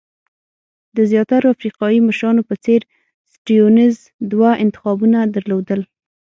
د زیاترو افریقایي مشرانو په څېر سټیونز دوه انتخابونه درلودل.